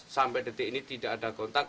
sampai detik ini tidak ada kontak